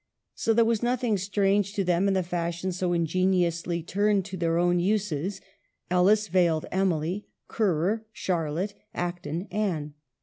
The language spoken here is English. So there was nothing strange to them in the fashion so ingeniously turned to their own uses; Ellis veiled Emily; Currer, Charlotte ; Acton, Anne.